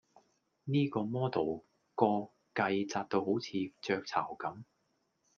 呢個 model 個髻扎到好似雀巢咁